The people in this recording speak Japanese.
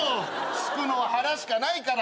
すくのは腹しかないから！